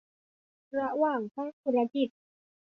ระหว่างภาคธุรกิจ